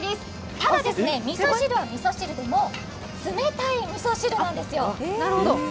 ただみそ汁はみそ汁でも冷たいみそ汁なんですよ。